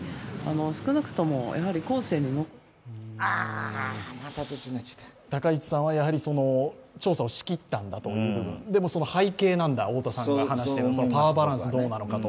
少なくとも高市さんは調査をしきったんだという部分、その背景なんだと太田さんが話しているのはとパワーバランスどうなんだと。